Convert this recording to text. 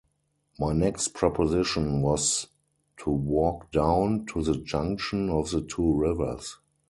My next proposition was to walk down to the junction of the two rivers.